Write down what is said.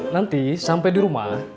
nanti sampai di rumah